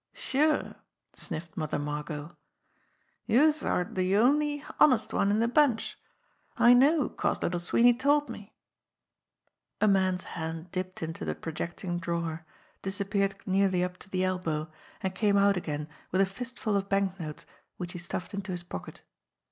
"Sure!" sniffed Mother Margot. "Youse're de only honest one in de bunch. I know 'cause Little Sweeney told me!" A man's hand dipped into the projecting drawer, dis appeared nearly up to the elbow, and came out again with a fistful of banknotes which he stuffed into his pocket.